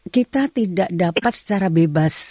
kita tidak dapat secara bebas